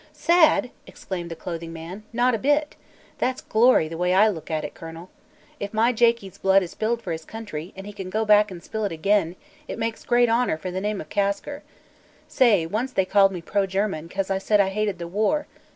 "Sad!" exclaimed the clothing man, "not a bit. That's glory, the way I look at it, Colonel. If my Jakie's blood is spilled for his country, and he can go back and spill it again, it makes great honor for the name of Kasker. Say, once they called me pro German, 'cause I said I hated the war.